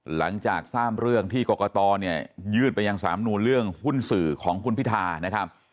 หลังจากทราบเรื่องที่กรกตเนี่ยยืดไปยังสามนูลเรื่องหุ้นสื่อของคุณพิธานะครับ